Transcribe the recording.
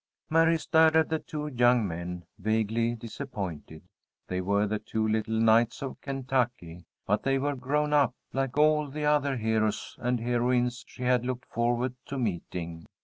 Mary stared at the two young men, vaguely disappointed. They were the two little knights of Kentucky, but they were grown up, like all the other heroes and heroines she had looked forward to meeting.